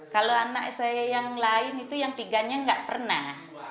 kalau anak saya yang lain itu yang tiga nya nggak pernah